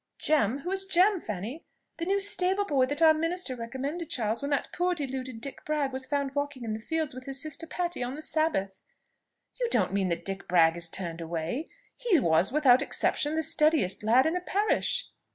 "Jem? Who is Jem, Fanny?" "The new stable boy that our minister recommended, Charles, when that poor deluded Dick Bragg was found walking in the fields with his sister Patty on the Sabbath." "You don't mean that Dick Bragg is turned away? He was, without exception, the steadiest lad in the parish."